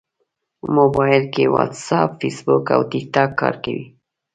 موبایل کې واټساپ، فېسبوک او ټېکټاک کار کوي.